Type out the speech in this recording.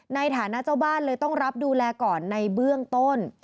ในฐานะเจ้าบ้านเลยต้องรับดูแลก่อนในเบื้องต้น